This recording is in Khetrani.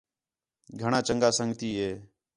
گھݨاں چَنڳا سنڳی ہِے